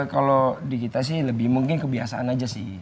kalau di kita sih lebih mungkin kebiasaan aja sih